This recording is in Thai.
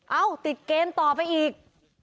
เอ้าติดเกมต่อไปอีก